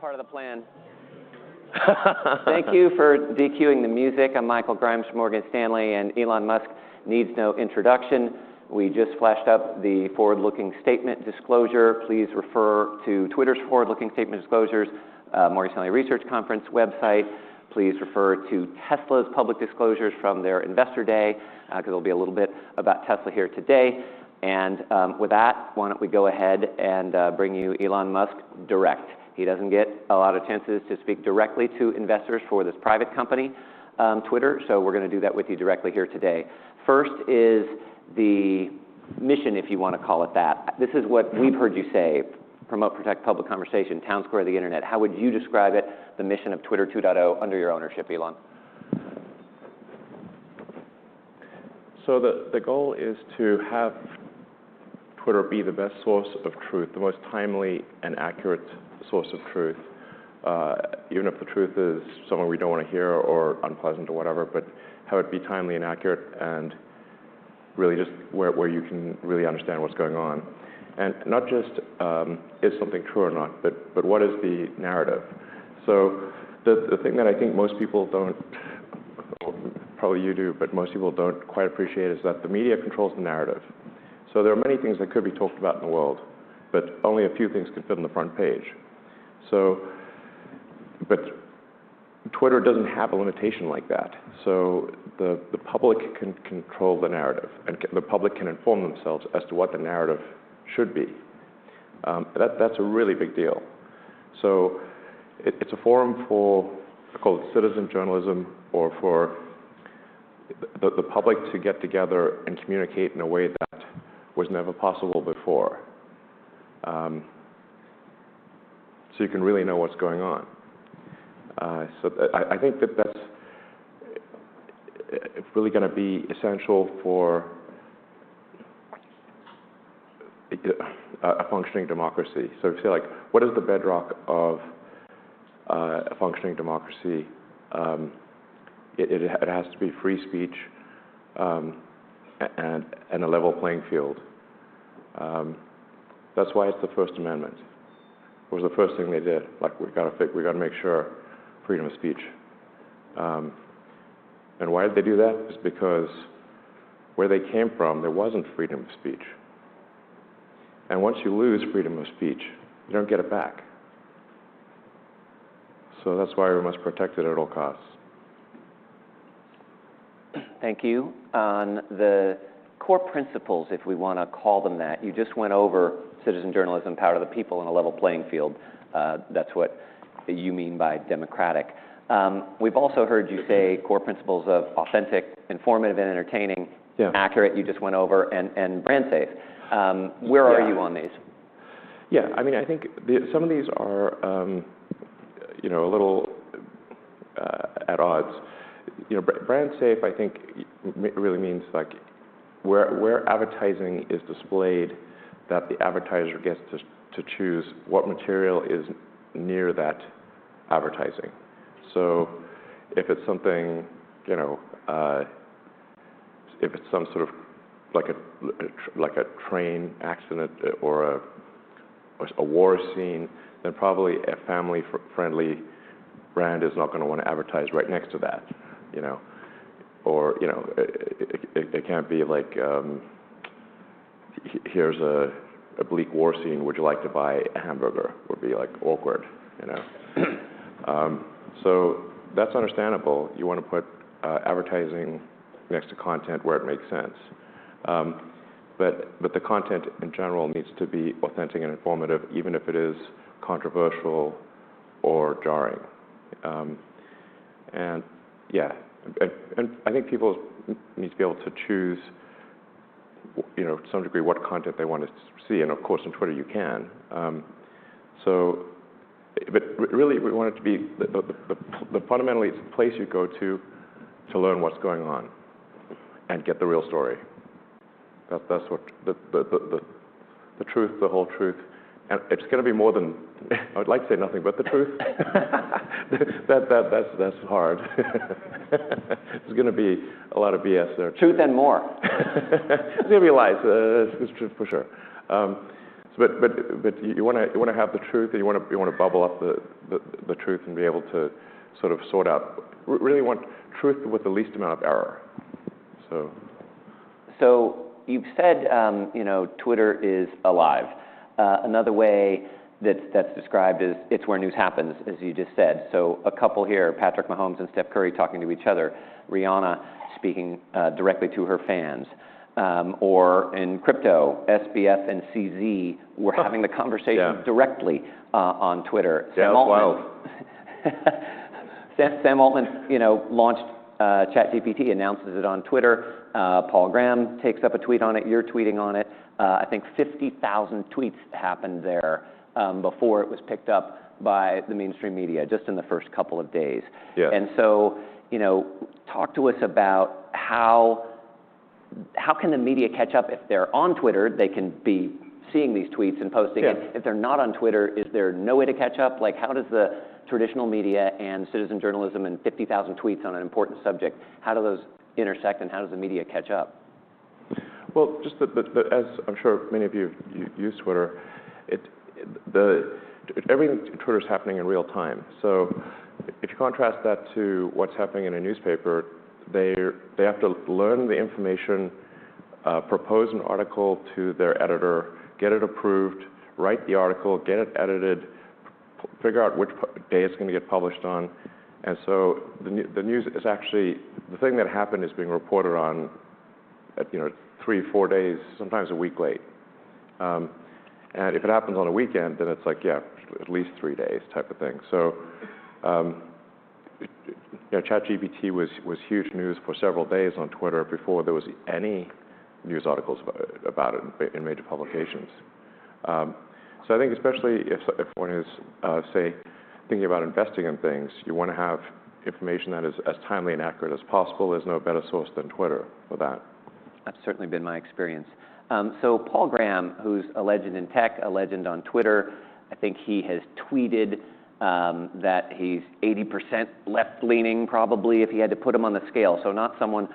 Part of the plan. Thank you for de-queuing the music. I'm Michael Grimes from Morgan Stanley. Elon Musk needs no introduction. We just flashed up the forward-looking statement disclosure. Please refer to Twitter's forward-looking statement disclosures, Morgan Stanley Research Conference website. Please refer to Tesla's public disclosures from their Investor Day, 'cause there'll be a little bit about Tesla here today. With that, why don't we go ahead and bring you Elon Musk direct? He doesn't get a lot of chances to speak directly to investors for this private company, Twitter, we're gonna do that with you directly here today. First is the mission, if you wanna call it that. This is what. Mm-hmm We've heard you say, promote, protect public conversation, town square of the internet, how would you describe it, the mission of Twitter 2.0 under your ownership, Elon? The goal is to have Twitter be the best source of truth, the most timely and accurate source of truth, even if the truth is something we don't wanna hear or unpleasant or whatever, but have it be timely and accurate and really just where you can really understand what's going on. Not just is something true or not, but what is the narrative? The thing that I think most people don't, well, probably you do, but most people don't quite appreciate is that the media controls the narrative. There are many things that could be talked about in the world, but only a few things can fit on the front page. Twitter doesn't have a limitation like that, the public can control the narrative and the public can inform themselves as to what the narrative should be. That's a really big deal. It's a forum for it's called citizen journalism or for the public to get together and communicate in a way that was never possible before, so you can really know what's going on. I think that's really gonna be essential for a functioning democracy. If you say, like, what is the bedrock of a functioning democracy, it has to be free speech, and a level playing field. That's why it's the First Amendment. It was the first thing they did. Like, we've gotta make sure freedom of speech. Why did they do that? It's because where they came from, there wasn't freedom of speech. Once you lose freedom of speech, you don't get it back. That's why we must protect it at all costs. Thank you. On the core principles, if we wanna call them that, you just went over citizen journalism, power to the people, and a level playing field. That's what you mean by democratic. We've also heard you say core principles of authentic, informative, and entertaining. Yeah Accurate, you just went over, and brand safe. Where are you on these? Yeah. Yeah, I mean, I think the, some of these are, you know, a little at odds. You know, brand safe I think really means, like, where advertising is displayed, that the advertiser gets to choose what material is near that advertising. If it's something, you know, if it's some sort of like a, like a train accident or a, or a war scene, then probably a family friendly brand is not gonna wanna advertise right next to that, you know? You know, it can't be like, "Here's a bleak war scene. Would you like to buy a hamburger?" would be, like, awkward, you know? That's understandable. You wanna put advertising next to content where it makes sense. The content in general needs to be authentic and informative, even if it is controversial or jarring. Yeah. I think people need to be able to choose, you know, to some degree, what content they want to see, and of course on Twitter you can. Really fundamentally it's a place you go to to learn what's going on and get the real story. That's what, the truth, the whole truth, and it's gonna be more than I would like to say nothing but the truth. That's hard. There's gonna be a lot of BS there. Truth and more. There's gonna be lies, for sure. But you wanna have the truth. You wanna bubble up the truth and be able to sort of sort out. Really want truth with the least amount of error, so. You've said, you know, Twitter is alive. Another way that's described is it's where news happens, as you just said. A couple here, Patrick Mahomes and Steph Curry talking to each other, Rihanna speaking directly to her fans, or in crypto, SBF and CZ. Yeah The conversation directly, on Twitter. Sam Altman Sounds wild. Sam Altman, you know, launched ChatGPT, announces it on Twitter. Paul Graham takes up a tweet on it. You're tweeting on it. I think 50,000 tweets happened there before it was picked up by the mainstream media, just in the first couple of days. Yeah. You know, talk to us about how can the media catch-up? If they're on Twitter, they can be seeing these tweets and posting. Yeah. If they're not on Twitter, is there no way to catch-up? Like, how does the traditional media and citizen journalism and 50,000 tweets on an important subject, how do those intersect, and how does the media catch-up? Well, just as I'm sure many of you use Twitter's happening in real time. If you contrast that to what's happening in a newspaper, they have to learn the information, propose an article to their editor, get it approved, write the article, get it edited, figure out which day it's gonna get published on. The thing that happened is being reported on at, you know, three, four days, sometimes a week late. If it happens on a weekend, then it's like, yeah, at least three days type of thing. You know, ChatGPT was huge news for several days on Twitter before there was any news articles about it in major publications. I think especially if one is thinking about investing in things, you wanna have information that is as timely and accurate as possible. There's no better source than Twitter for that. That's certainly been my experience. Paul Graham, who's a legend in tech, a legend on Twitter, I think he has tweeted that he's 80% left-leaning probably if he had to put him on the scale. Not someone,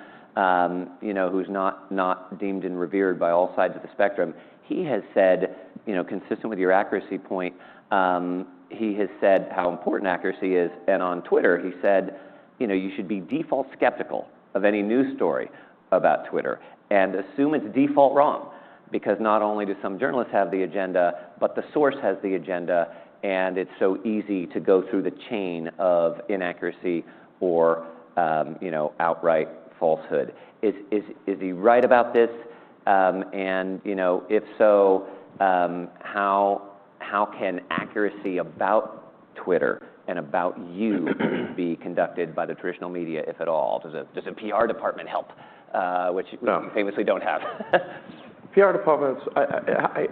you know, who's not deemed and revered by all sides of the spectrum. He has said, you know, consistent with your accuracy point, he has said how important accuracy is, and on Twitter he said, you know, you should be default skeptical of any news story about Twitter, and assume it's default wrong because not only do some journalists have the agenda, but the source has the agenda, and it's so easy to go through the chain of inaccuracy or, you know, outright falsehood. Is he right about this? You know, if so, how can accuracy about Twitter and about you be conducted by the traditional media, if at all? Does a PR department help? No You famously don't have. PR departments, I,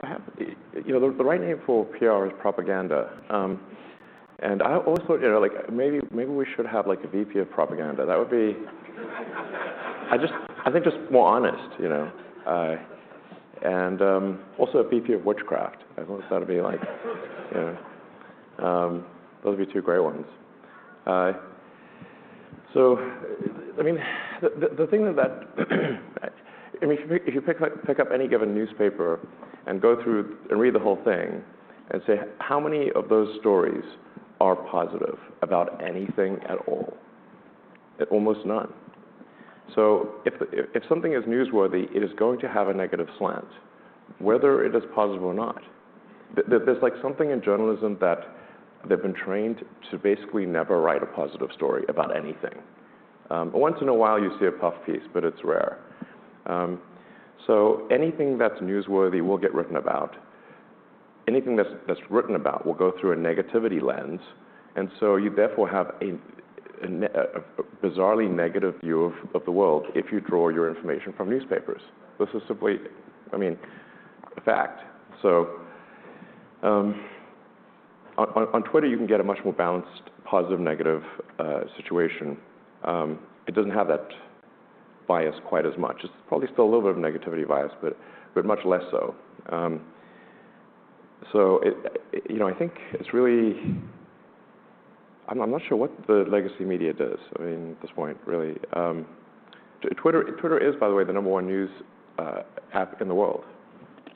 you know, the right name for PR is propaganda. I also, you know, like maybe we should have like a VP of propaganda. I think just more honest, you know? Also a VP of witchcraft. I've always thought You know, those would be two great ones. I mean, the thing that I mean, if you pick up any given newspaper and go through and read the whole thing and say, "How many of those stories are positive about anything at all?" Almost none. If something is newsworthy, it is going to have a negative slant, whether it is positive or not. There's like something in journalism that they've been trained to basically never write a positive story about anything. Once in a while you see a puff piece, it's rare. Anything that's newsworthy will get written about. Anything that's written about will go through a negativity lens, you therefore have a bizarrely negative view of the world if you draw your information from newspapers. This is simply, I mean, fact. On Twitter, you can get a much more balanced positive, negative situation. It doesn't have that bias quite as much. It's probably still a little bit of negativity bias, but much less so. It, you know, I think it's really... I'm not sure what the legacy media does, I mean, at this point really. Twitter is, by the way, the number one news app in the world.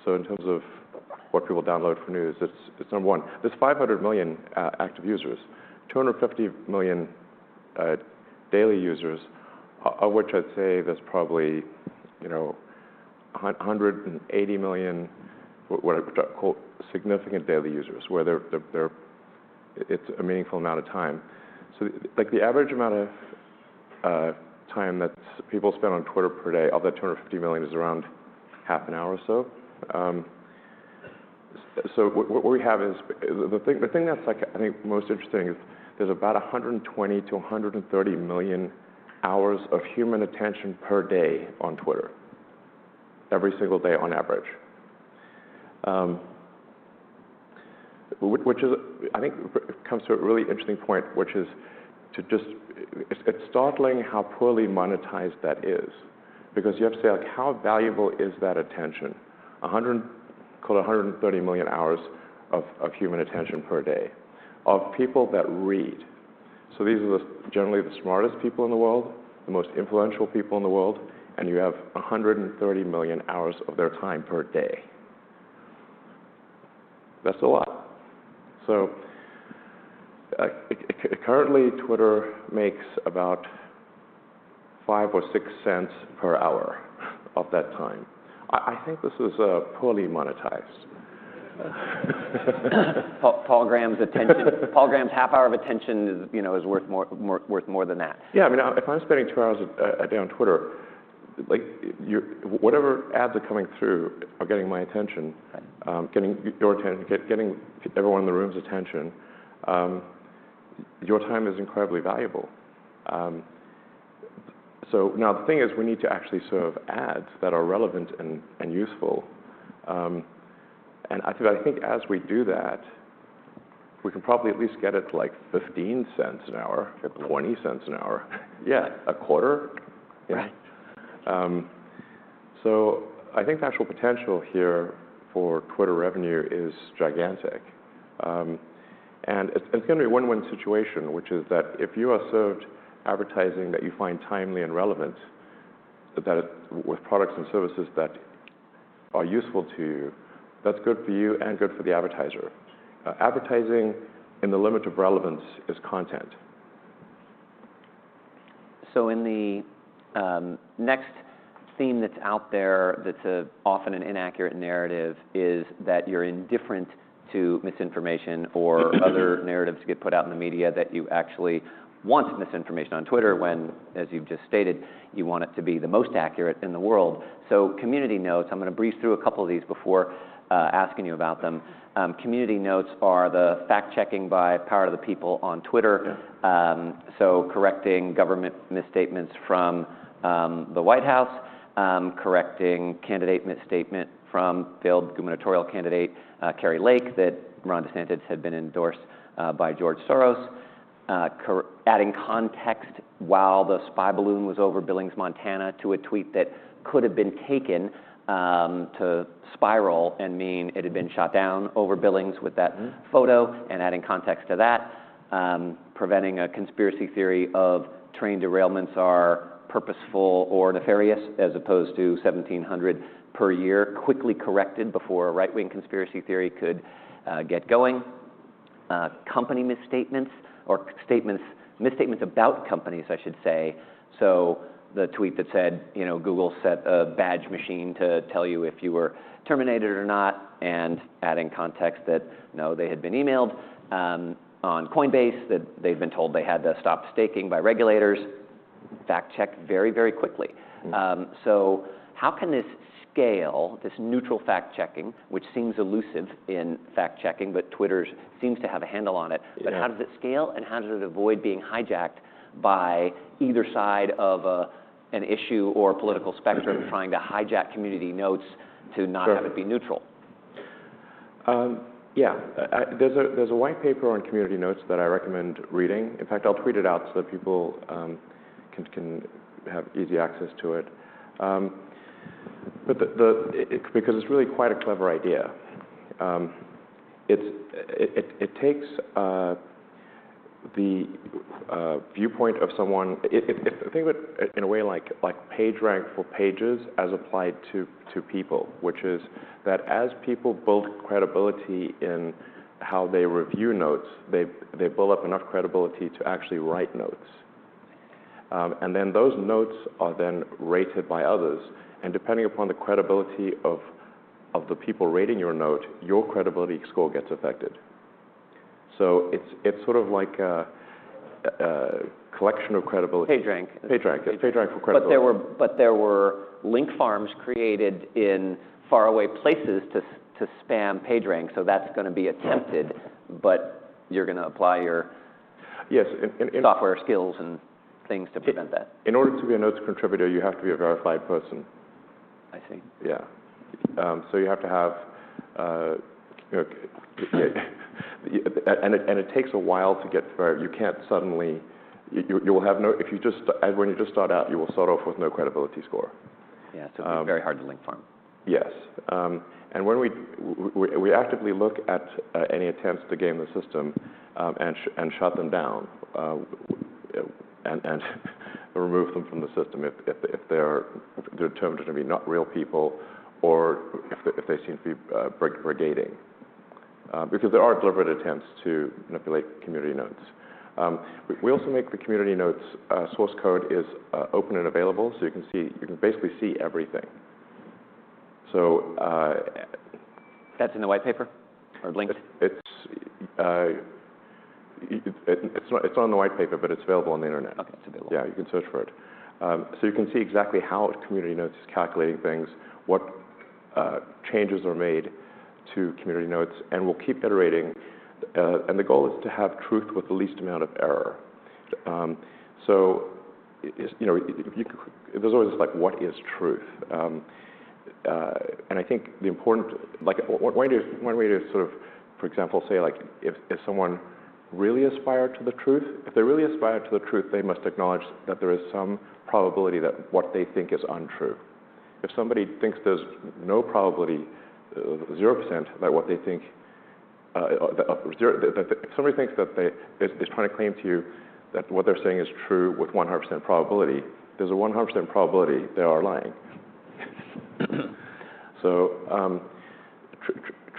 In terms of what people download for news, it's number one. There's 500 million active users, 250 million daily users, of which I'd say there's probably, you know, 180 million what I would call significant daily users, where they're. It's a meaningful amount of time. Like the average amount of time that people spend on Twitter per day of that 250 million is around half an hour or so. what we have is. The thing that's like I think most interesting is there's about 120 million-130 million hours of human attention per day on Twitter, every single day on average. Which comes to a really interesting point, which is to just. It's startling how poorly monetized that is because you have to say like how valuable is that attention? Call it 130 million hours of human attention per day of people that read. These are the generally the smartest people in the world, the most influential people in the world, and you have 130 million hours of their time per day. That's a lot. Currently Twitter makes about $0.05 or $0.06 per hour of that time. I think this is poorly monetized. Paul Graham's half hour of attention is, you know, worth more than that. Yeah. I mean, if I'm spending two hours a day on Twitter, like whatever ads are coming through are getting my attention. Right Getting your attention, getting everyone in the room's attention, your time is incredibly valuable. Now the thing is we need to actually serve ads that are relevant and useful. I think as we do that, we can probably at least get it to like $0.15 an hour, get to $0.20 an hour. Yeah, $0.25. Right. I think the actual potential here for Twitter revenue is gigantic. It's gonna be a win-win situation, which is that if you are served advertising that you find timely and relevant, that is with products and services that are useful to you, that's good for you and good for the advertiser. Advertising in the limit of relevance is content. In the next theme that's out there that's a often an inaccurate narrative is that you're indifferent to misinformation or other narratives get put out in the media that you actually want misinformation on Twitter when, as you've just stated, you want it to be the most accurate in the world. Community Notes, I'm gonna breeze through a couple of these before asking you about them. Community Notes are the fact-checking by power of the people on Twitter. Yeah. Correcting government misstatements from the White House. Correcting candidate misstatement from failed gubernatorial candidate, Kari Lake, that Ron DeSantis had been endorsed by George Soros. Adding context while the spy balloon was over Billings, Montana to a tweet that could have been taken to spiral and mean it had been shot down over Billings with that. Mm-hmm Photo and adding context to that. Preventing a conspiracy theory of train derailments are purposeful or nefarious as opposed to 1,700 per year, quickly corrected before a right-wing conspiracy theory could get going. Company misstatements or statements, misstatements about companies, I should say. The tweet that said, you know, Google set a badge machine to tell you if you were terminated or not, and adding context that no, they had been emailed. On Coinbase, that they'd been told they had to stop staking by regulators. Fact-checked very, very quickly. How can this scale, this neutral fact-checking, which seems elusive in fact-checking, but Twitter's seems to have a handle on it. Yeah. How does it scale, and how does it avoid being hijacked by either side of a, an issue or political spectrum, trying to hijack Community Notes. Sure have it be neutral? Yeah. There's a white paper on Community Notes that I recommend reading. In fact, I'll tweet it out so that people can have easy access to it. It's really quite a clever idea. It takes the viewpoint of someone. Think of it in a way like PageRank for pages as applied to people, which is that as people build credibility in how they review notes, they build up enough credibility to actually write notes. Those notes are then rated by others, and depending upon the credibility of the people rating your note, your credibility score gets affected. It's sort of like a collection of credibility- PageRank. PageRank. It's PageRank for credibility. There were link farms created in faraway places to spam PageRank, so that's gonna be attempted, but you're gonna apply. Yes. Software skills and things to prevent that. In order to be a notes contributor, you have to be a verified person. I see. Yeah. You have to have. It takes a while to get. When you just start out, you will start off with no credibility score. Yeah. Um- Very hard to link farm. Yes. When we actively look at any attempts to game the system and shut them down and remove them from the system if they're determined to be not real people or if they seem to be brigading. There are deliberate attempts to manipulate Community Notes. We also make the Community Notes source code is open and available, so you can basically see everything. That's in the white paper or linked? It's not in the white paper, but it's available on the internet. Okay. It's available. Yeah, you can search for it. You can see exactly how Community Notes is calculating things, what changes are made to Community Notes, we'll keep iterating. The goal is to have truth with the least amount of error. You know, there's always this, like, what is truth? I think like one way to sort of, for example, say like if someone really aspired to the truth, if they really aspired to the truth, they must acknowledge that there is some probability that what they think is untrue. If somebody thinks there's no probability, 0% that what they think. If somebody thinks that they They're trying to claim to you that what they're saying is true with 100% probability, there's a 100% probability they are lying.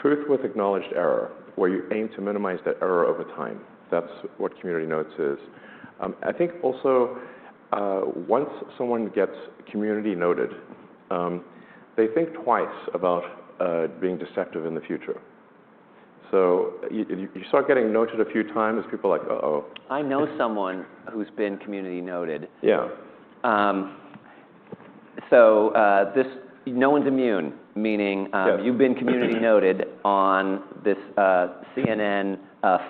Truth with acknowledged error, where you aim to minimize that error over time. That's what Community Notes is. I think also, once someone gets Community Noted, they think twice about, being deceptive in the future. You, you start getting noted a few times, people are like, "Uh-oh. I know someone who's been Community Noted. Yeah. this... No one's immune, meaning- Yeah. you've been Community Noted- -on this, CNN,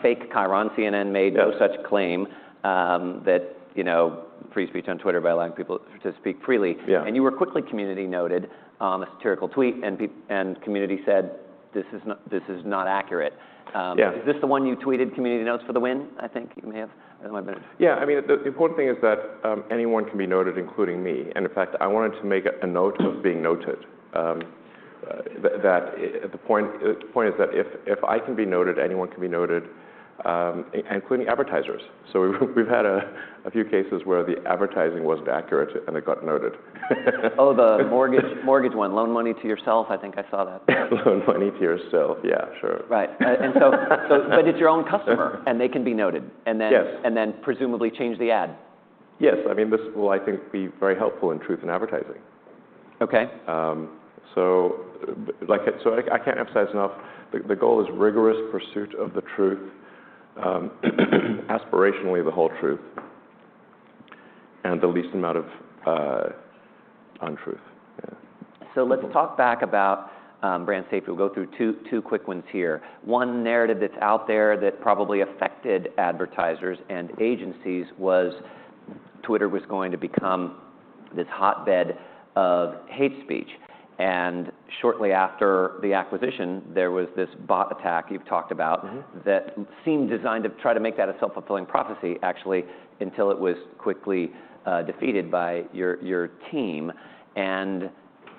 fake chyron. CNN made. Yes no such claim, that, you know, free speech on Twitter by allowing people to speak freely. Yeah. You were quickly Community Noted on a satirical tweet, and community said, "This is not, this is not accurate. Yeah Is this the one you tweeted, "Community Notes for the win"? I think you may have. It might've been- Yeah. I mean, the important thing is that anyone can be noted, including me, and in fact, I wanted to make a note of being noted. That, the point is that if I can be noted, anyone can be noted, including advertisers. We've had a few cases where the advertising wasn't accurate, and it got noted. Oh, the mortgage one. Loan money to yourself, I think I saw that. Loan money to yourself, yeah, sure. Right. It's your own customer, and they can be noted. Yes. presumably change the ad. Yes. I mean, this will, I think, be very helpful in truth in advertising. Okay. I can't emphasize enough the goal is rigorous pursuit of the truth, aspirationally the whole truth, and the least amount of untruth. Yeah. Let's talk back about brand safety. We'll go through two quick ones here. One narrative that's out there that probably affected advertisers and agencies was Twitter was going to become this hotbed of hate speech. Shortly after the acquisition, there was this bot attack you've talked about- Mm-hmm that seemed designed to try to make that a self-fulfilling prophecy actually until it was quickly, defeated by your team.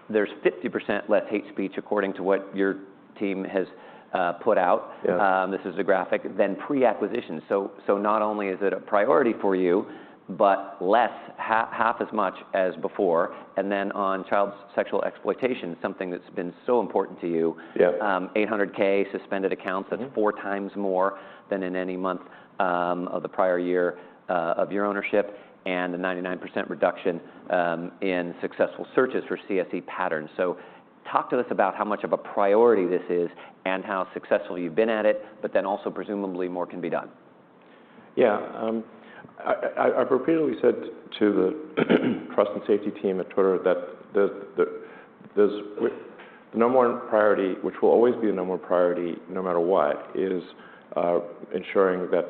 There's 50% less hate speech according to what your team has, put out... Yeah this is a graphic, than pre-acquisition. Not only is it a priority for you, but less, half as much as before. On child sexual exploitation, something that's been so important to you... Yeah 800,000 suspended accounts. Mm-hmm. That's four times more than in any month, of the prior year, of your ownership, and a 99% reduction, in successful searches for CSE patterns. Talk to us about how much of a priority this is and how successful you've been at it, but then also presumably more can be done. I've repeatedly said to the trust and safety team at Twitter that the number one priority, which will always be the number one priority no matter what, is ensuring that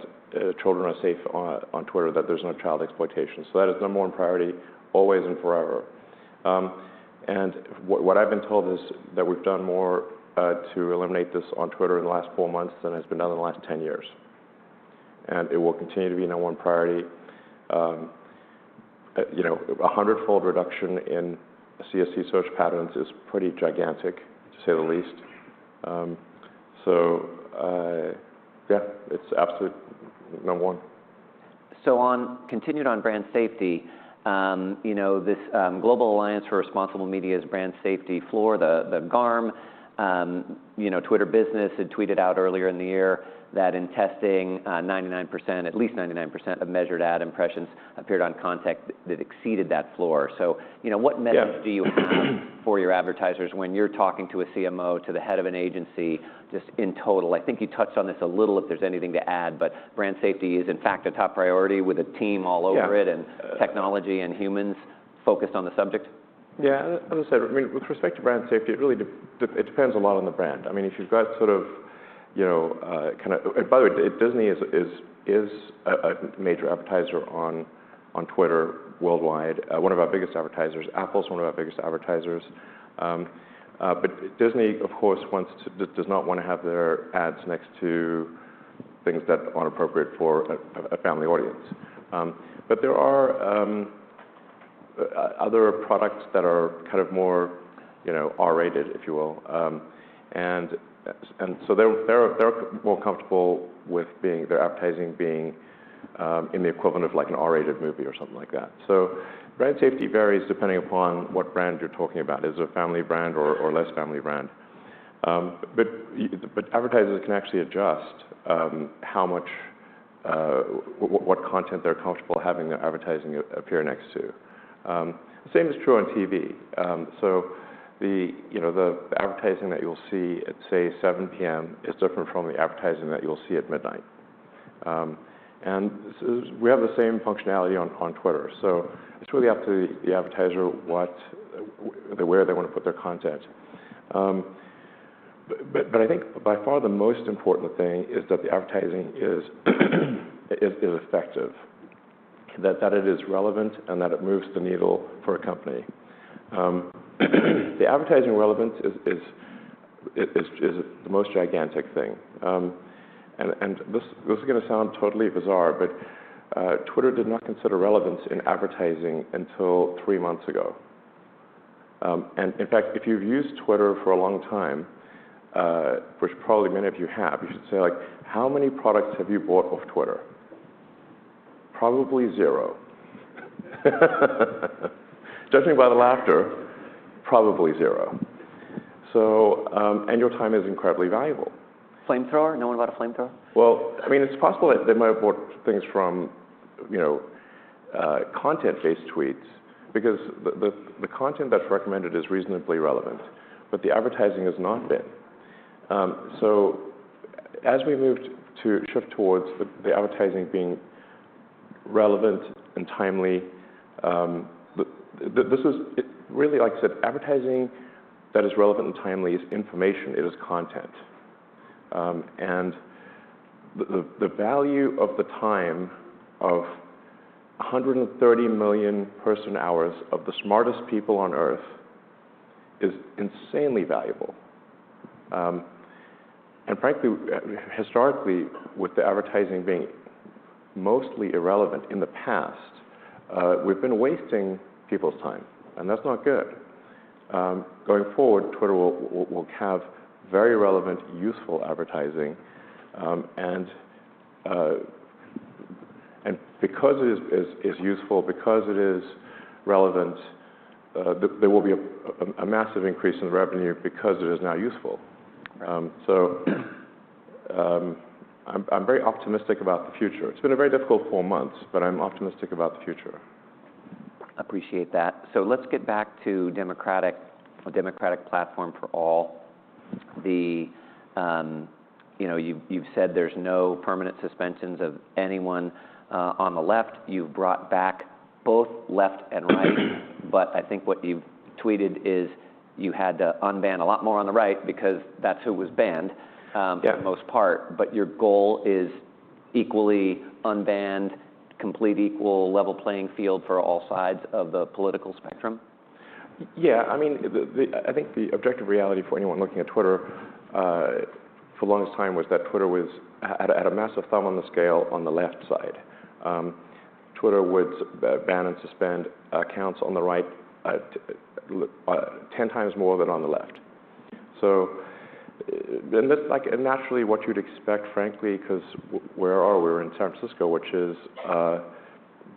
children are safe on Twitter, that there's no child exploitation. That is number one priority always and forever. And what I've been told is that we've done more to eliminate this on Twitter in the last four months than has been done in the last 10 years, and it will continue to be the number one priority. You know, a 100-fold reduction in CSE search patterns is pretty gigantic, to say the least. So, yeah, it's absolute number one. On, continued on brand safety, you know, this Global Alliance for Responsible Media's brand safety floor, the GARM, you know, Twitter business had tweeted out earlier in the year that in testing, 99%, at least 99% of measured ad impressions appeared on content that exceeded that floor. you know, what methods. Yeah Do you have for your advertisers when you're talking to a CMO, to the head of an agency, just in total? I think you touched on this a little, if there's anything to add, but brand safety is in fact a top priority with a team all over it. Yeah And technology and humans focused on the subject. As I said, I mean, with respect to brand safety, it really depends a lot on the brand. I mean, if you've got sort of, you know, Disney is a major advertiser on Twitter worldwide, one of our biggest advertisers. Apple's one of our biggest advertisers. Disney of course wants to, does not wanna have their ads next to things that aren't appropriate for a family audience. There are other products that are kind of more, you know, R-rated, if you will. They're more comfortable with being, their advertising being, in the equivalent of like an R-rated movie or something like that. Brand safety varies depending upon what brand you're talking about. Is it a family brand or less family brand? Advertisers can actually adjust, how much what content they're comfortable having their advertising appear next to. Same is true on TV. The, you know, the advertising that you'll see at, say, 7:00 P.M. is different from the advertising that you'll see at midnight. We have the same functionality on Twitter. It's really up to the advertiser what where they wanna put their content. I think by far the most important thing is that the advertising is effective, that it is relevant, and that it moves the needle for a company. The advertising relevance is the most gigantic thing. This, this is gonna sound totally bizarre, but Twitter did not consider relevance in advertising until three months ago. In fact, if you've used Twitter for a long time, which probably many of you have, you should say like, how many products have you bought off Twitter? Probably zero. Judging by the laughter, probably zero. Your time is incredibly valuable. Not-A-Flamethrower? Know anybody at Not-A-Flamethrower? Well, I mean, it's possible they might have bought things from, you know, content-based tweets because the, the content that's recommended is reasonably relevant, but the advertising has not been. As we've moved to shift towards the advertising being relevant and timely, Really, like I said, advertising that is relevant and timely is information, it is content. The, the value of the time of 130 million person-hours of the smartest people on Earth is insanely valuable. Frankly, historically, with the advertising being mostly irrelevant in the past, we've been wasting people's time, and that's not good. Going forward, Twitter will have very relevant, useful advertising. Because it is useful, because it is relevant, there will be a massive increase in revenue because it is now useful. I'm very optimistic about the future. It's been a very difficult four months, but I'm optimistic about the future. Appreciate that. Let's get back to a democratic platform for all. The, you know, you've said there's no permanent suspensions of anyone on the left. You've brought back both left and right. I think what you've tweeted is you had to unban a lot more on the right because that's who was banned. Yeah For the most part. Your goal is equally unbanned, complete equal level playing field for all sides of the political spectrum? Yeah. I mean, the objective reality for anyone looking at Twitter for the longest time was that Twitter had a massive thumb on the scale on the left side. Twitter would ban and suspend accounts on the right at 10 times more than on the left. That's like naturally what you'd expect, frankly, 'cause where are we? We're in San Francisco, which is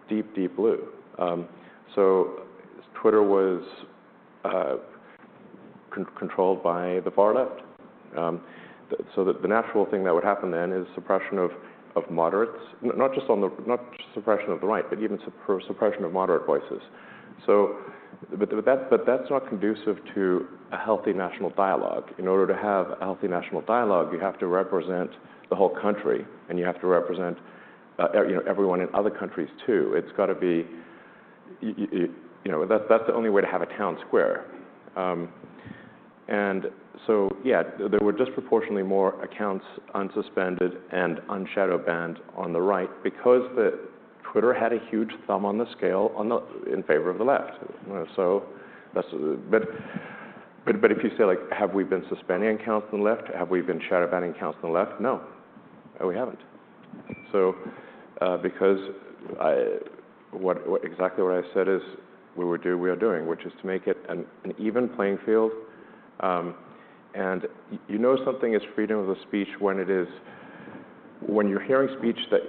deep, deep blue. Twitter was controlled by the far left. The natural thing that would happen then is suppression of moderates, not just on the suppression of the right, but even suppression of moderate voices. That's not conducive to a healthy national dialogue. In order to have a healthy national dialogue, you have to represent the whole country, and you have to represent, you know, everyone in other countries too. You know, that's the only way to have a town square. Yeah, there were disproportionately more accounts unsuspended and un-shadow banned on the right because Twitter had a huge thumb on the scale on the, in favor of the left. If you say like, "Have we been suspending accounts on the left? Have we been shadow banning accounts on the left?" No. No, we haven't. Because what exactly what I said is we would do, we are doing, which is to make it an even playing field. You know something is freedom of the speech when it is, when you're hearing speech that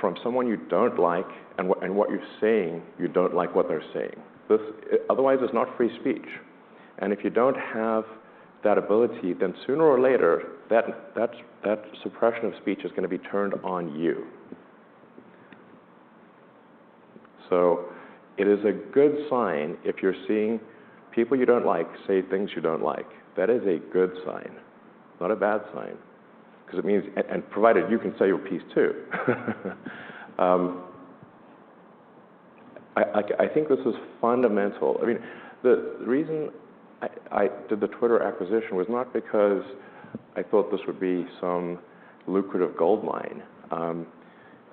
from someone you don't like and what you're saying, you don't like what they're saying. This, otherwise it's not free speech. If you don't have that ability, then sooner or later that suppression of speech is gonna be turned on you. It is a good sign if you're seeing people you don't like say things you don't like. That is a good sign, not a bad sign, 'cause it means and provided you can say your piece too. I think this is fundamental. I mean, the reason I did the Twitter acquisition was not because I thought this would be some lucrative goldmine.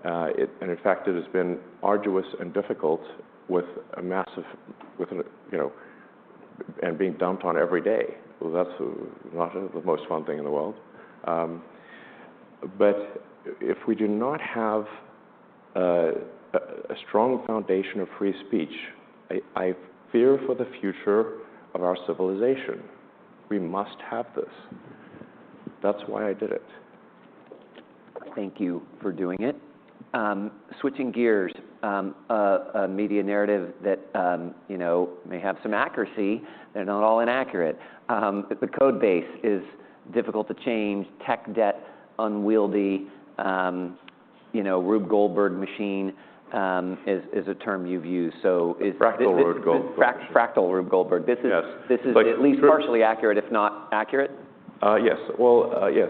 It and in fact, it has been arduous and difficult with a massive, you know. Being dumped on every day. Well, that's not the most fun thing in the world. If we do not have a strong foundation of free speech, I fear for the future of our civilization. We must have this. That's why I did it. Thank you for doing it. switching gears. a media narrative that, you know, may have some accuracy and not all inaccurate. The code base is difficult to change, tech debt, unwieldy, you know, Rube Goldberg machine, is a term you've used. is this- Fractal Rube Goldberg machine. fractal Rube Goldberg. This. Yes. This is at least partially accurate, if not accurate? Yes. Well, yes.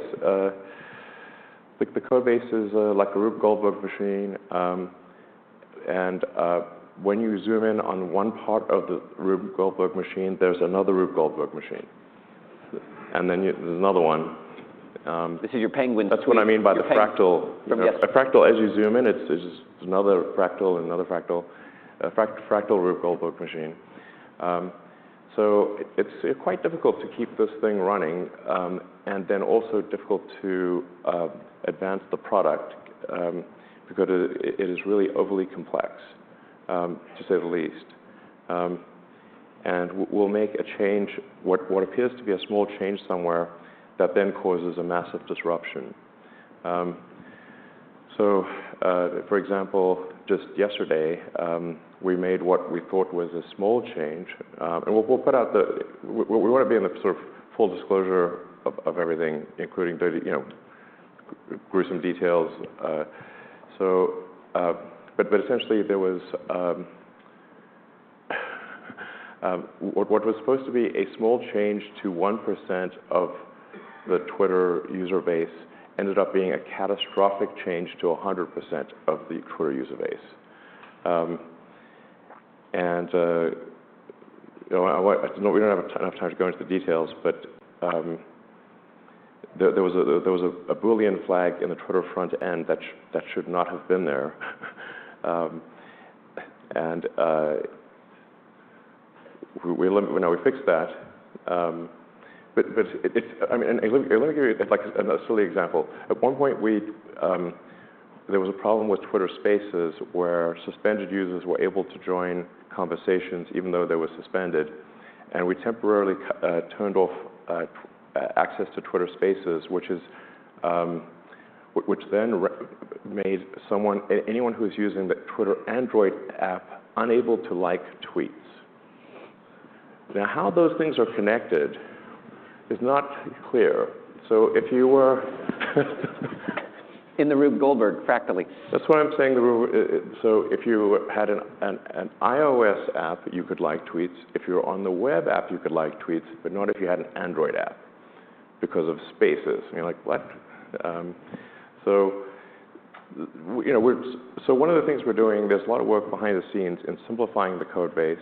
Like the code base is like a Rube Goldberg machine, and when you zoom in on one part of the Rube Goldberg machine, there's another Rube Goldberg machine, and then there's another one. This is your penguin. That's what I mean by the fractal. Yes. A fractal, as you zoom in, it's, there's another fractal and another fractal. A fractal Rube Goldberg machine. It's quite difficult to keep this thing running, and then also difficult to advance the product, because it is really overly complex to say the least. We'll make a change, what appears to be a small change somewhere that then causes a massive disruption. For example, just yesterday, we made what we thought was a small change. We wanna be in the sort of full disclosure of everything, including dirty, you know, gruesome details. Essentially there was what was supposed to be a small change to 1% of the Twitter user base ended up being a catastrophic change to 100% of the Twitter user base. You know, we don't have enough time to go into the details, but there was a Boolean flag in the Twitter front end that should not have been there. Now we fixed that. It's I mean, let me give you like a silly example. At one point we, there was a problem with Twitter Spaces where suspended users were able to join conversations even though they were suspended. We temporarily turned off access to Twitter Spaces, which is, which then re-made anyone who's using the Twitter Android app unable to like tweets. How those things are connected is not clear. If you were In the Rube Goldberg faculty. That's what I'm saying, if you had an iOS app, you could like tweets. If you're on the web app, you could like tweets, but not if you had an Android app because of Spaces. You're like, "What?" you know, one of the things we're doing, there's a lot of work behind the scenes in simplifying the code base,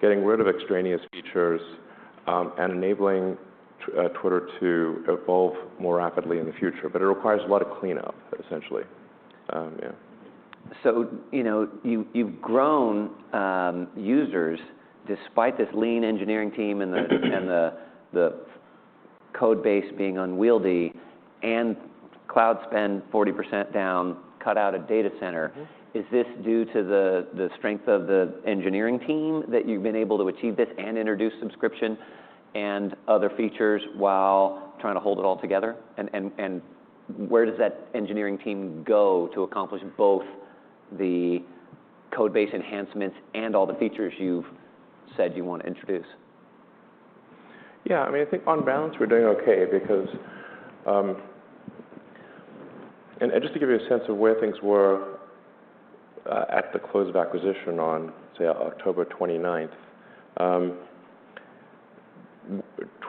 getting rid of extraneous features, and enabling Twitter to evolve more rapidly in the future. It requires a lot of cleanup, essentially. Yeah. You know, you've grown users despite this lean engineering team and the code base being unwieldy and cloud spend 40% down, cut out a data center. Mm-hmm. Is this due to the strength of the engineering team that you've been able to achieve this and introduce subscription and other features while trying to hold it all together? Where does that engineering team go to accomplish both the code base enhancements and all the features you've said you want to introduce? Yeah, I mean, I think on balance we're doing okay because. Just to give you a sense of where things were at the close of acquisition on, say, October 29th,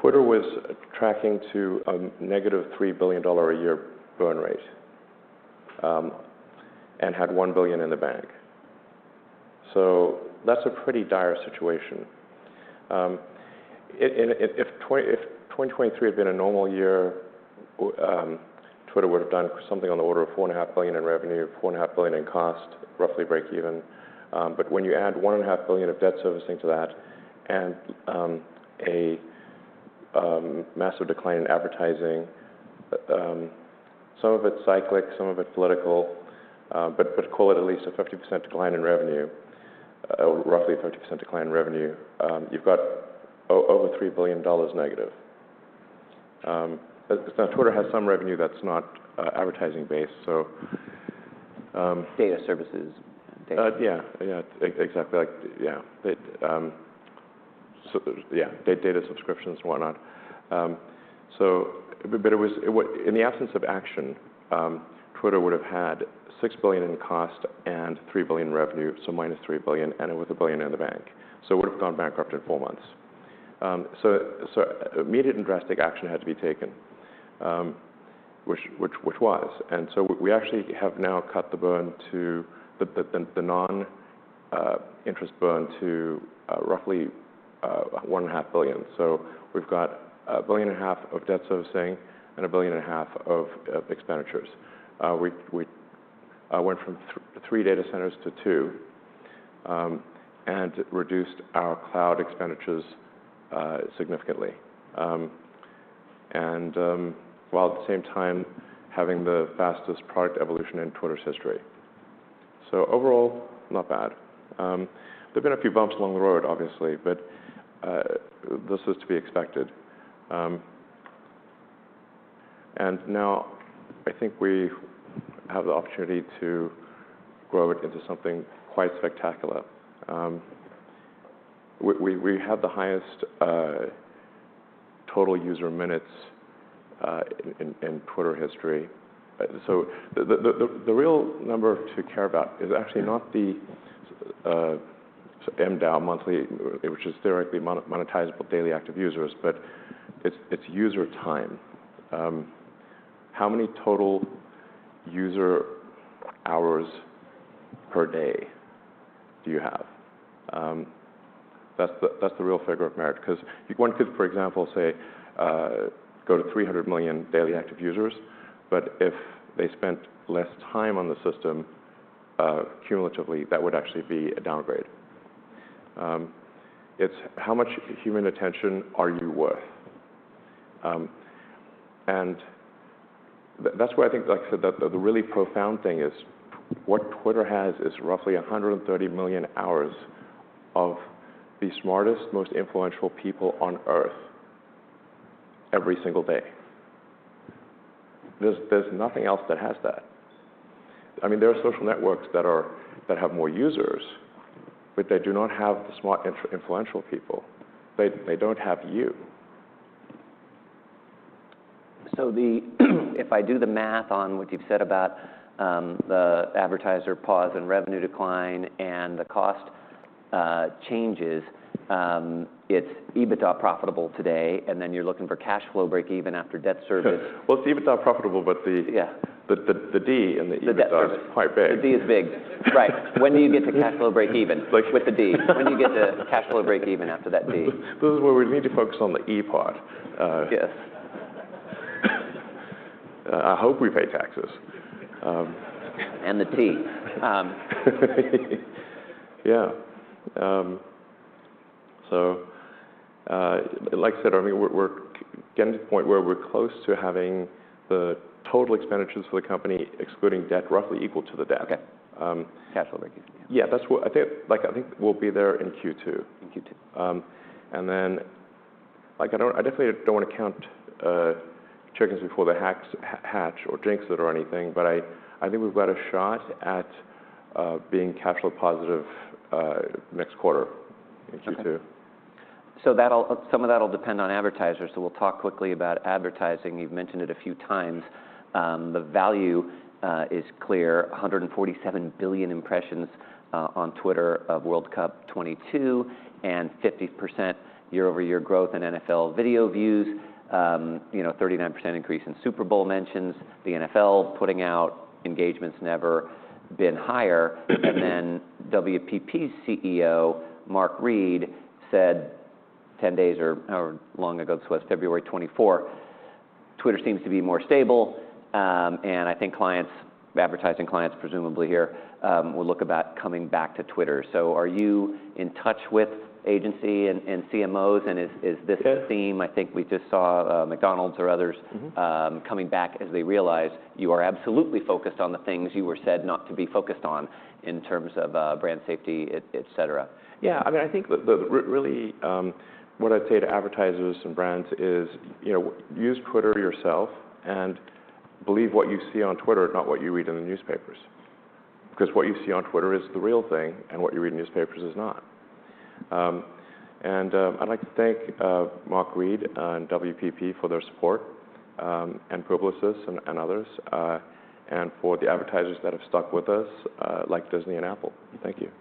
Twitter was tracking to a negative $3 billion a year burn rate and had $1 billion in the bank. That's a pretty dire situation. If 2023 had been a normal year, Twitter would have done something on the order of $4.5 billion in revenue, $4.5 billion in cost, roughly break even. When you add one and a half billion dollars of debt servicing to that and a massive decline in advertising, some of it's cyclic, some of it's political, call it at least a 50% decline in revenue, roughly a 50% decline in revenue, you've got over $3 billion negative. Twitter has some revenue that's not advertising based. Data services data. Yeah. Yeah. Exactly. Data subscriptions and whatnot. It was In the absence of action, Twitter would have had $6 billion in cost and $3 billion revenue, so -$3 billion, and it was $1 billion in the bank. It would've gone bankrupt in four months. Immediate and drastic action had to be taken, which was. We actually have now cut the burn to the non-interest burn to roughly $1.5 billion. We've got $1.5 billion of debt servicing and $1.5 billion of expenditures. We went from three data centers to two and reduced our cloud expenditures significantly. While at the same time having the fastest product evolution in Twitter's history. Overall, not bad. There've been a few bumps along the road, obviously, but this is to be expected. Now I think we have the opportunity to grow it into something quite spectacular. We have the highest total user minutes in Twitter history. The real number to care about is actually not the MDAU, Monthly... Which is theoretically monetizable Daily Active Users, but it's user time. How many total user hours per day do you have? That's the real figure of merit, 'cause one could, for example, say, go to 300 million daily active users, but if they spent less time on the system, cumulatively, that would actually be a downgrade. It's how much human attention are you worth? That's why I think, like I said, the really profound thing is what Twitter has is roughly 130 million hours of the smartest, most influential people on Earth every single day. There's nothing else that has that. I mean, there are social networks that have more users, but they do not have the smart influential people. They don't have you. The if I do the math on what you've said about the advertiser pause and revenue decline and the cost changes, it's EBITDA profitable today, and then you're looking for cash flow break even after debt service. Well, it's EBITDA profitable. Yeah the D in the EBITDA. The debt service. Is quite big. The D is big. Right. When do you get to cash flow break even? Like- with the D? When do you get to cash flow break even after that D? This is where we need to focus on the E part. Yes I hope we pay taxes. The tea. Yeah. like I said, I mean, we're getting to the point where we're close to having the total expenditures for the company excluding debt roughly equal to the debt. Okay. Cash will make it easier. Yeah. I think, like, we'll be there in Q2. In Q2. like, I don't, I definitely don't wanna count chickens before they hatch or jinx it or anything, but I think we've got a shot at being capital positive next quarter in Q2. Okay. That'll, some of that'll depend on advertisers, so we'll talk quickly about advertising. You've mentioned it a few times. The value is clear. 147 billion impressions on Twitter of World Cup '22, and 50% year-over-year growth in NFL video views. You know, 39% increase in Super Bowl mentions. The NFL putting out engagements never been higher. WPP's CEO, Mark Read, said 10 days or long ago this was, February 24, "Twitter seems to be more stable, and I think clients," advertising clients presumably here, "will look about coming back to Twitter." Are you in touch with agency and CMOs, and is this- Yes a theme? I think we just saw, McDonald's or others- Mm-hmm coming back as they realize you are absolutely focused on the things you were said not to be focused on in terms of, brand safety, et cetera. Yeah. I mean, I think the really what I'd say to advertisers and brands is, you know, use Twitter yourself and believe what you see on Twitter, not what you read in the newspapers. What you see on Twitter is the real thing, and what you read in newspapers is not. I'd like to thank Mark Read and WPP for their support, and Publicis and others, and for the advertisers that have stuck with us, like Disney and Apple. Thank you.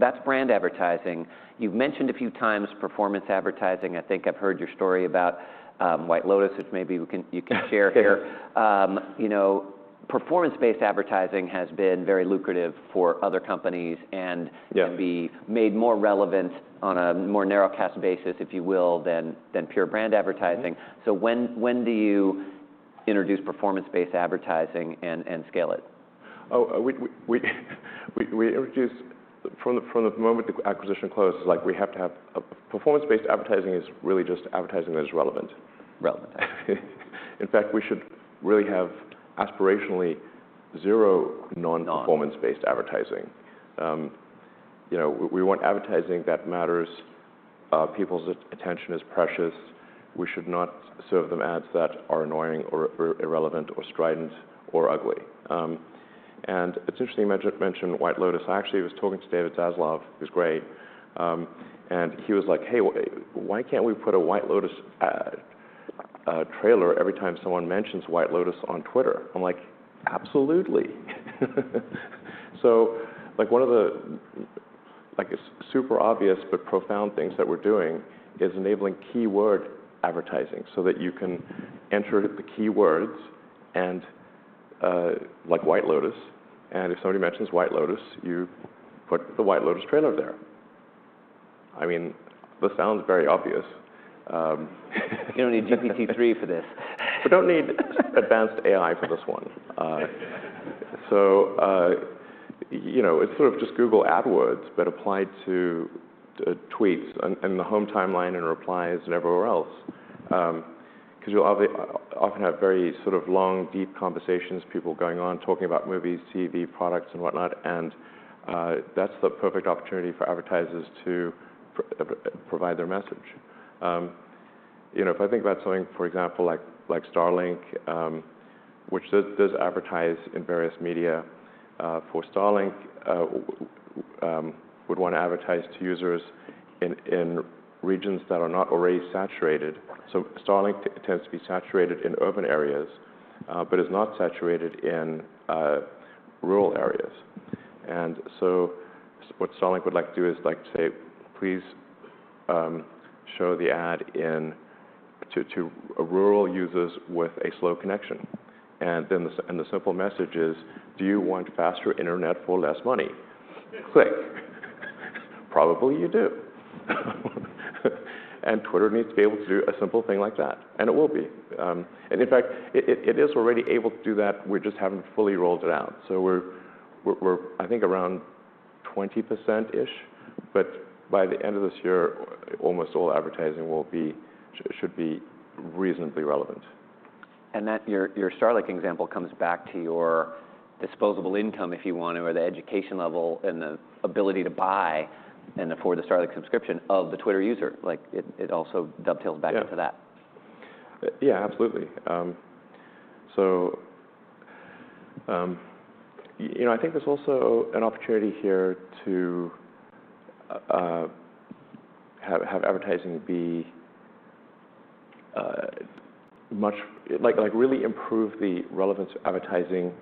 That's brand advertising. You've mentioned a few times performance advertising. I think I've heard your story about White Lotus, which you can share here. You know, performance-based advertising has been very lucrative for other companies and. Yeah can be made more relevant on a more narrow cast basis, if you will, than pure brand advertising. Mm-hmm. when do you introduce performance-based advertising and scale it? From the moment the acquisition closes, like, performance-based advertising is really just advertising that is relevant. Relevant. In fact, we should really have aspirationally zero non- Non performance-based advertising. You know, we want advertising that matters. People's attention is precious. We should not serve them ads that are annoying or irrelevant or strident or ugly. It's interesting you mentioned White Lotus. I actually was talking to David Zaslav, who's great, and he was like, "Hey, why can't we put a White Lotus ad, trailer every time someone mentions White Lotus on Twitter?" I'm like, "Absolutely." Like, one of the, like, super obvious but profound things that we're doing is enabling keyword advertising so that you can enter the keywords and, like, White Lotus, and if somebody mentions White Lotus, you put the White Lotus trailer there. I mean, this sounds very obvious. You don't need GPT-3 for this. We don't need advanced AI for this one. You know, it's sort of just Google AdWords but applied to tweets and the home timeline and replies and everywhere else. 'Cause you'll often have very sort of long, deep conversations, people going on, talking about movies, TV, products and whatnot, and that's the perfect opportunity for advertisers to provide their message. You know, if I think about something, for example, like Starlink, which does advertise in various media. For Starlink, would wanna advertise to users in regions that are not already saturated. Starlink tends to be saturated in urban areas, but is not saturated in rural areas. What Starlink would like to do is like to say, please, show the ad in to rural users with a slow connection. The simple message is, do you want faster internet for less money? Click. Probably you do. Twitter needs to be able to do a simple thing like that, and it will be. In fact, it is already able to do that. We just haven't fully rolled it out. We're I think around 20%-ish, but by the end of this year, almost all advertising will be, should be reasonably relevant. That, your Starlink example comes back to your disposable income, if you want, or the education level and the ability to buy and afford a Starlink subscription of the Twitter user. Like, it also dovetails back into that. Yeah. Yeah, absolutely. So, you know, I think there's also an opportunity here to have advertising be much. Like really improve the relevance of advertising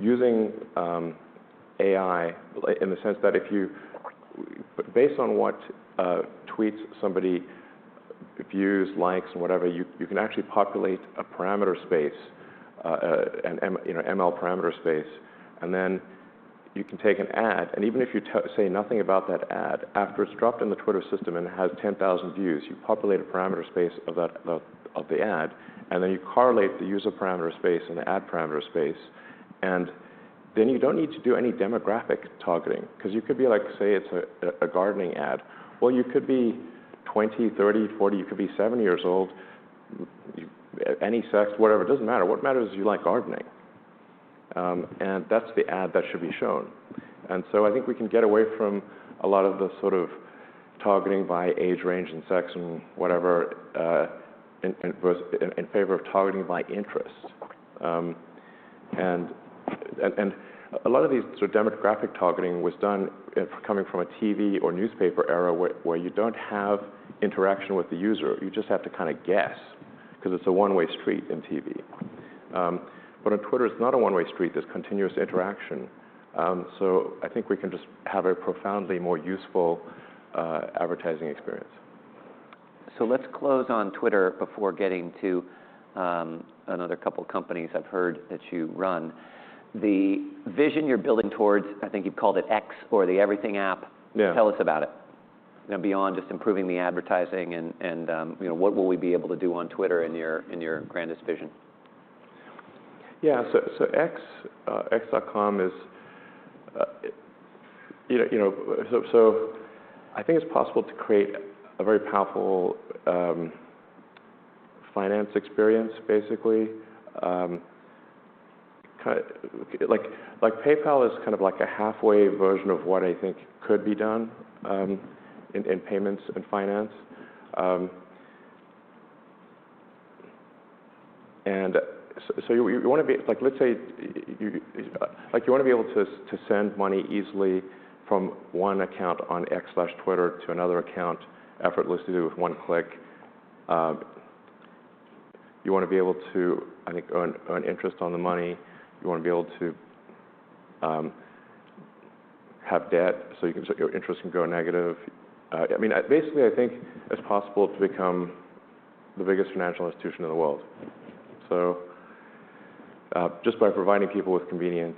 using AI, like, in the sense that if you. Based on what tweets somebody views, likes and whatever, you can actually populate a parameter space, an M, you know, ML parameter space, and then you can take an ad, and even if you say nothing about that ad, after it's dropped in the Twitter system and it has 10,000 views, you populate a parameter space of that, of the ad, and then you correlate the user parameter space and the ad parameter space, and then you don't need to do any demographic targeting 'cause you could be like, say, it's a gardening ad. Well, you could be 20, 30, 40, you could be 70 years old, any sex, whatever, it doesn't matter. What matters is you like gardening. That's the ad that should be shown. I think we can get away from a lot of the sort of targeting by age range and sex and whatever, in favor of targeting by interest. And a lot of these sort of demographic targeting was done, coming from a TV or newspaper era where you don't have interaction with the user. You just have to kinda guess 'cause it's a one-way street in TV. On Twitter, it's not a one-way street. There's continuous interaction. I think we can just have a profoundly more useful advertising experience. Let's close on Twitter before getting to another couple companies I've heard that you run. The vision you're building towards, I think you've called it Twitter or the Everything App. Yeah. Tell us about it. You know, beyond just improving the advertising and, you know, what will we be able to do on Twitter in your grandest vision? Yeah. twitter.com is, it, you know, you know. I think it's possible to create a very powerful finance experience basically. Like PayPal is kind of like a halfway version of what I think could be done in payments and finance. Like, let's say, you wanna be able to send money easily from one account on X/Twitter to another account effortlessly with one click. You wanna be able to, I think, earn interest on the money. You wanna be able to have debt, so you can your interest can go negative. I mean, basically, I think it's possible to become the biggest financial institution in the world. Just by providing people with convenient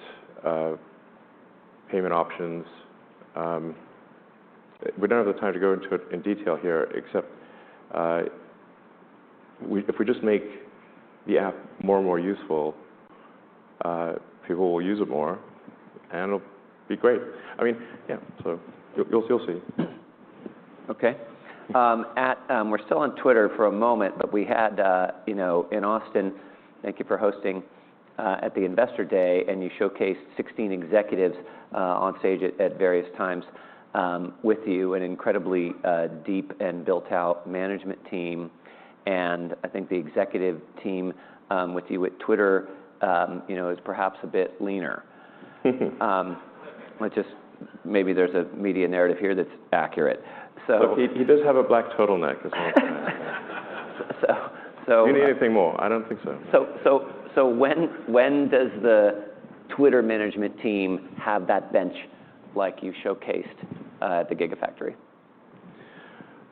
payment options. We don't have the time to go into it in detail here, except if we just make the app more and more useful, people will use it more, and it'll be great. I mean, yeah, so you'll see. Okay. We're still on Twitter for a moment. We had, you know, in Austin, thank you for hosting at the Investor Day. You showcased 16 executives on stage at various times, with you, an incredibly deep and built-out management team. I think the executive team, with you with Twitter, you know, is perhaps a bit leaner. Maybe there's a media narrative here that's accurate. Look, he does have a black turtleneck as well. So, so- Do you need anything more? I don't think so. When does the Twitter management team have that bench like you showcased at the Gigafactory?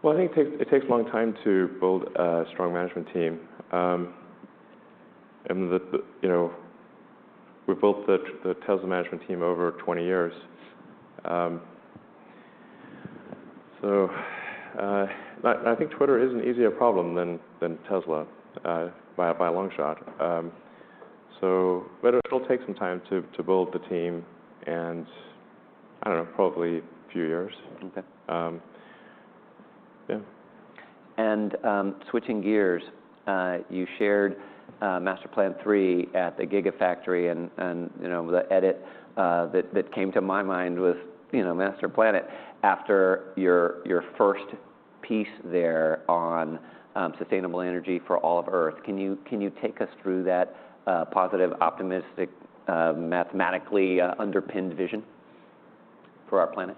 Well, I think it takes a long time to build a strong management team. We built the Tesla management team over 20 years. I think Twitter is an easier problem than Tesla, by a long shot. It'll take some time to build the team and, I don't know, probably a few years. Okay. Yeah. Switching gears, you shared Master Plan Part 3 at the Gigafactory and, you know, the edit that came to my mind was, you know, Master Planet after your first piece there on sustainable energy for all of Earth. Can you take us through that positive, optimistic, mathematically, underpinned vision for our planet?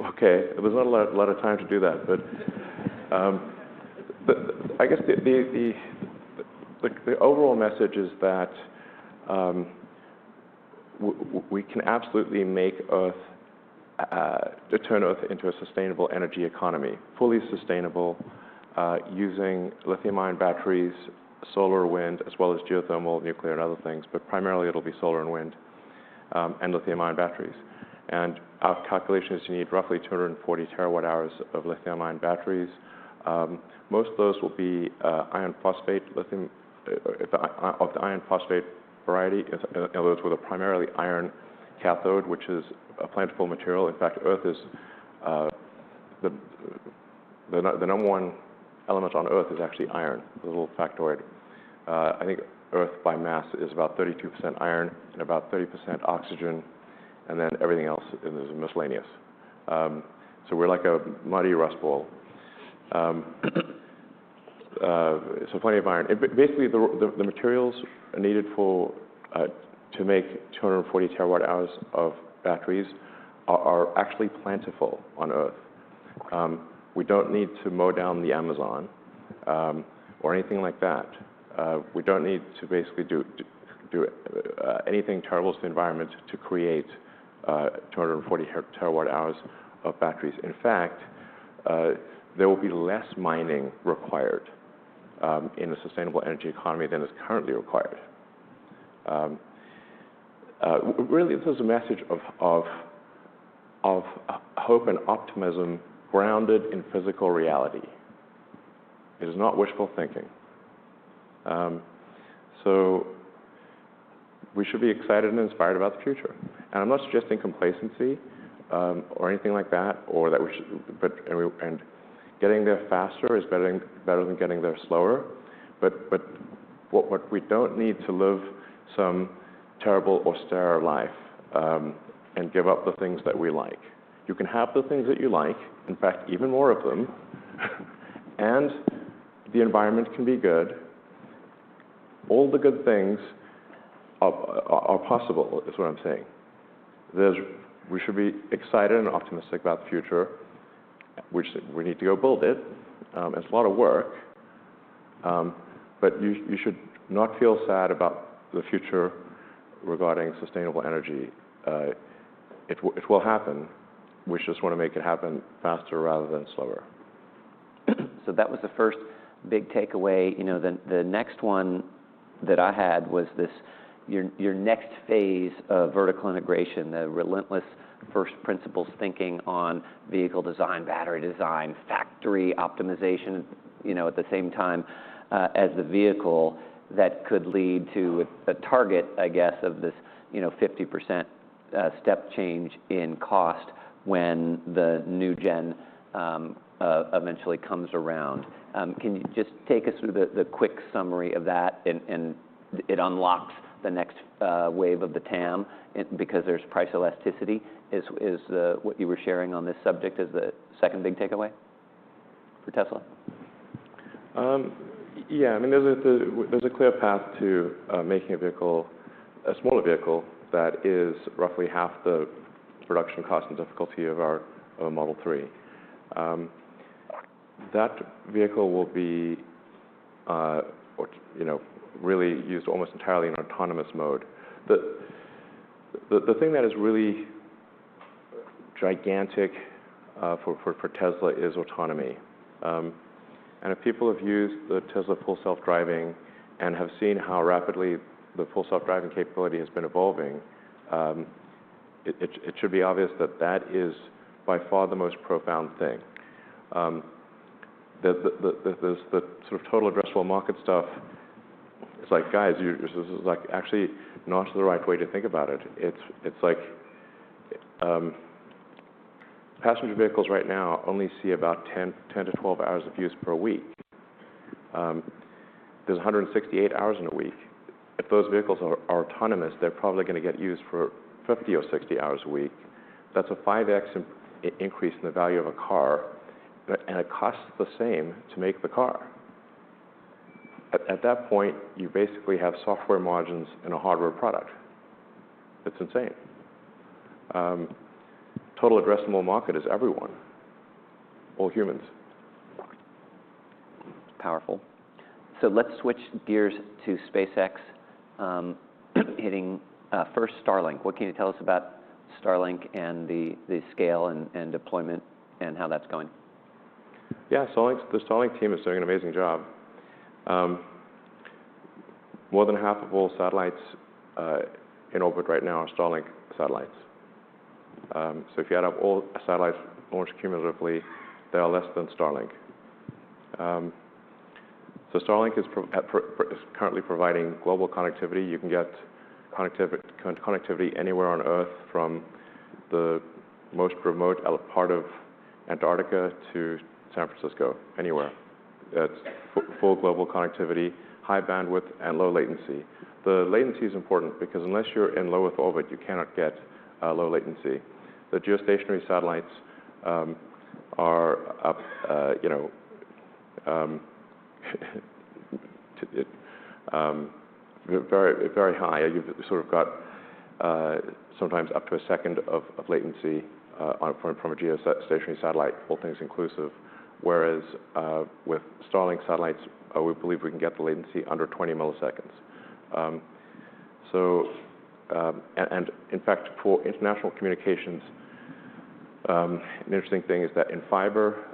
Okay. There's not a lot of time to do that. I guess the overall message is that we can absolutely make Earth or turn Earth into a sustainable energy economy, fully sustainable, using lithium-ion batteries, solar, wind, as well as geothermal, nuclear, and other things, but primarily it'll be solar and wind and lithium-ion batteries. Our calculation is you need roughly 240 TWh of lithium-ion batteries. Most of those will be iron phosphate lithium of the iron phosphate variety. It's, you know, those with a primarily iron cathode, which is a plentiful material. In fact, Earth is. The number one element on Earth is actually iron, a little factoid. I think Earth by mass is about 32% iron and about 30% oxygen, and then everything else is miscellaneous. We're like a muddy rust ball. Plenty of iron. Basically the materials needed for to make 240 TWh of batteries are actually plentiful on Earth. We don't need to mow down the Amazon or anything like that. We don't need to basically do anything terrible to the environment to create 240 TWh of batteries. In fact, there will be less mining required. In a sustainable energy economy than is currently required. Really this is a message of hope and optimism grounded in physical reality. It is not wishful thinking. We should be excited and inspired about the future. I'm not suggesting complacency, or anything like that, or that we should. Getting there faster is better than getting there slower, but what we don't need to live some terrible austere life, and give up the things that we like. You can have the things that you like, in fact, even more of them. The environment can be good. All the good things are possible is what I'm saying. We should be excited and optimistic about the future, which we need to go build it. It's a lot of work, but you should not feel sad about the future regarding sustainable energy. It will happen. We just wanna make it happen faster rather than slower. That was the first big takeaway. You know, the next one that I had was this, your next phase of vertical integration, the relentless first principles thinking on vehicle design, battery design, factory optimization, you know, at the same time, as the vehicle that could lead to a target, I guess, of this, you know, 50% step change in cost when the new gen eventually comes around. Can you just take us through the quick summary of that and it unlocks the next wave of the TAM because there's price elasticity is the what you were sharing on this subject is the second big takeaway for Tesla? Yeah. I mean, there's a clear path to making a vehicle, a smaller vehicle that is roughly half the production cost and difficulty of a Model 3. That vehicle will be, or, you know, really used almost entirely in autonomous mode. The thing that is really gigantic for Tesla is autonomy. If people have used the Tesla Full Self-Driving and have seen how rapidly the Full Self-Driving capability has been evolving, it should be obvious that that is by far the most profound thing. The sort of total addressable market stuff is like, guys, you... This is, like, actually not the right way to think about it. It's like, passenger vehicles right now only see about 10 to 12 hours of use per week. There's 168 hours in a week. If those vehicles are autonomous, they're probably gonna get used for 50 or 60 hours a week. That's a 5x increase in the value of a car, and it costs the same to make the car. At that point, you basically have software margins in a hardware product. It's insane. Total addressable market is everyone, all humans. Powerful. let's switch gears to SpaceX, hitting, first Starlink. What can you tell us about Starlink and the scale and deployment and how that's going? Yeah. Starlink's, the Starlink team is doing an amazing job. More than half of all satellites in orbit right now are Starlink satellites. If you add up all satellites launched cumulatively, they are less than Starlink. Starlink is currently providing global connectivity. You can get connectivity anywhere on Earth from the most remote part of Antarctica to San Francisco, anywhere. It's full global connectivity, high bandwidth, and low latency. The latency is important because unless you're in low-Earth orbit, you cannot get low latency. The geostationary satellites, you know, are up very, very high. You've sort of got sometimes up to a second of latency on a, from a geostationary satellite, all things inclusive. With Starlink satellites, we believe we can get the latency under 20 msec. In fact, for international communications, an interesting thing is that in fiber,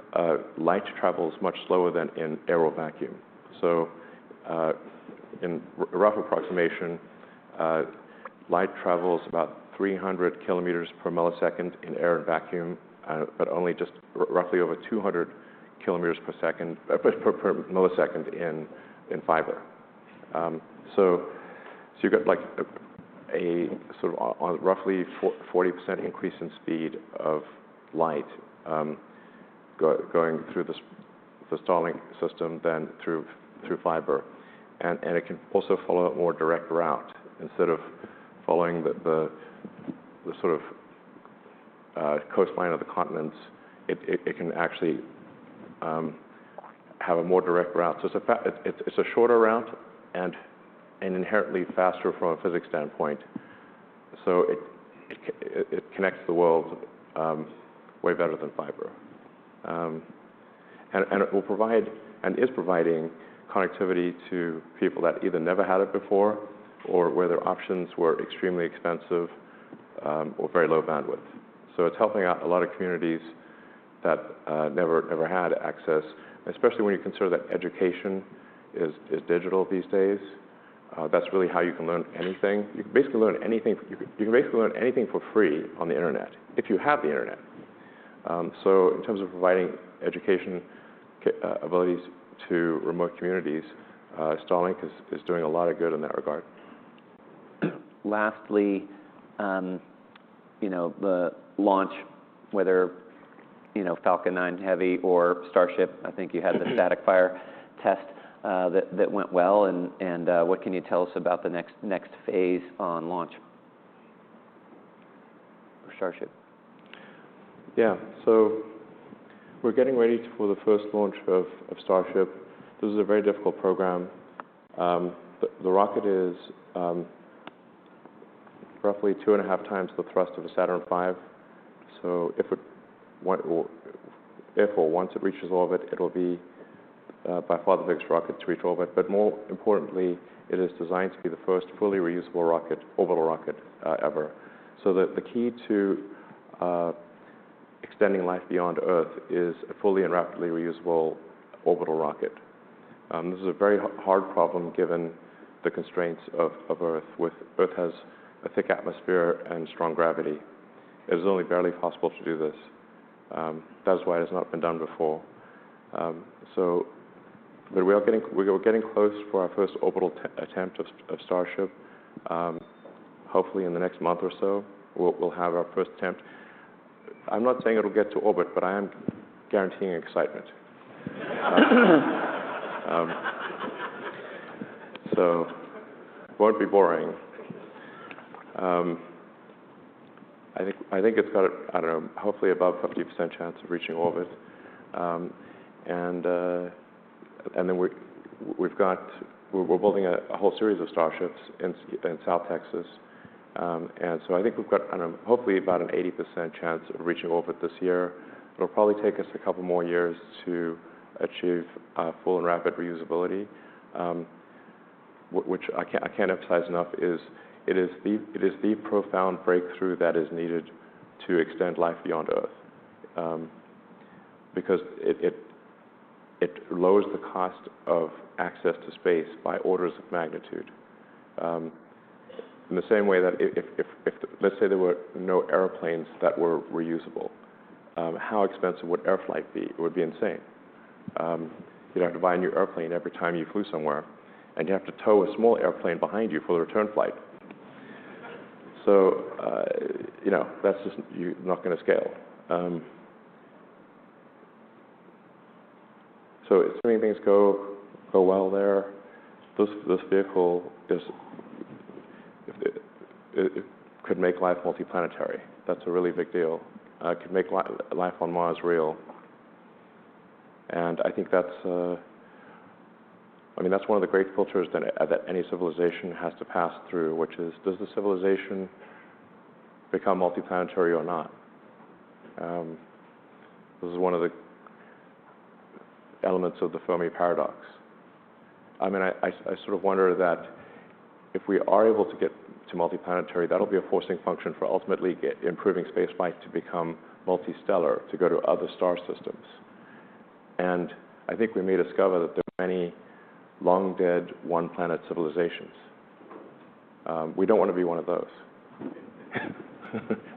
light travels much slower than in air or vacuum. In a rough approximation, light travels about 300 km per millisecond in air and vacuum, but only just roughly over 200 km per millisecond in fiber. You've got like a sort of roughly 40% increase in speed of light going through the Starlink system than through fiber. It can also follow a more direct route. Instead of following the sort of coastline of the continents, it can actually have a more direct route. It's a shorter route and inherently faster from a physics standpoint. It connects the world way better than fiber. And it will provide, and is providing connectivity to people that either never had it before or where their options were extremely expensive. Or very low bandwidth. It's helping out a lot of communities that never had access, and especially when you consider that education is digital these days. That's really how you can learn anything. You can basically learn anything for free on the internet if you have the internet. In terms of providing education abilities to remote communities, Starlink is doing a lot of good in that regard. Lastly, you know, the launch, whether, you know, Falcon Nine Heavy or Starship, the static fire test, that went well and, what can you tell us about the next phase on launch for Starship? Yeah. We're getting ready for the first launch of Starship. This is a very difficult program. The rocket is roughly two and a half times the thrust of a Saturn V. If or once it reaches orbit, it'll be by far the biggest rocket to reach orbit. More importantly, it is designed to be the first fully reusable rocket, orbital rocket, ever. The key to extending life beyond Earth is a fully and rapidly reusable orbital rocket. This is a very hard problem given the constraints of Earth with Earth has a thick atmosphere and strong gravity. It is only barely possible to do this. That's why it's not been done before. We're getting close for our first orbital attempt of Starship. Hopefully in the next month or so, we'll have our first attempt. I'm not saying it'll get to orbit, but I am guaranteeing excitement. It won't be boring. I think it's got, I don't know, hopefully above 50% chance of reaching orbit. We're building a whole series of Starships in South Texas. I think we've got, I don't know, hopefully about an 80% chance of reaching orbit this year. It'll probably take us a couple more years to achieve full and rapid reusability, which I can't emphasize enough is the profound breakthrough that is needed to extend life beyond Earth, because it lowers the cost of access to space by orders of magnitude. In the same way that if let's say there were no airplanes that were reusable, how expensive would air flight be? It would be insane. You'd have to buy a new airplane every time you flew somewhere, and you'd have to tow a small airplane behind you for the return flight. You know, that's just, you're not gonna scale. If many things go well there, this vehicle is, it could make life multi-planetary. That's a really big deal. It could make life on Mars real, and I think that's, I mean, that's one of the great filters that any civilization has to pass through, which is does the civilization become multi-planetary or not? This is one of the elements of the Fermi Paradox. I mean, I sort of wonder that if we are able to get to multi-planetary, that'll be a forcing function for ultimately improving space flight to become multi-stellar, to go to other star systems. I think we may discover that there are many long-dead one-planet civilizations. We don't wanna be one of those.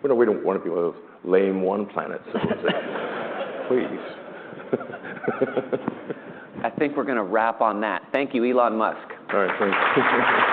We don't wanna be one of those lame one-planet civilizations. Please. I think we're gonna wrap on that. Thank you, Elon Musk. All right. Thanks.